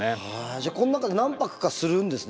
じゃあこの中で何泊かするんですね